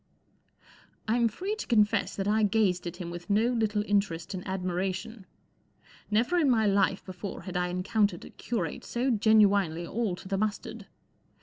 I 'M free to confess that I gazed at him with no little interest and admiration. Never in my life before had I encountered a curate so genuinely all to the mustard.